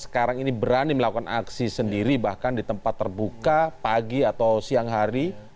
sekarang ini berani melakukan aksi sendiri bahkan di tempat terbuka pagi atau siang hari